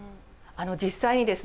実際にですね